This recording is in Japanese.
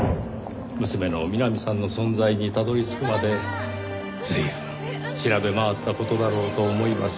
娘のみなみさんの存在にたどり着くまで随分調べ回った事だろうと思います。